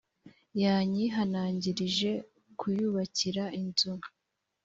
yanyihanangirije kuyubakira inzu